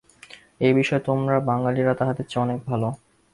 এ-বিষয়ে তোমরা বাঙালীরা তাহাদের চেয়ে অনেক ভাল।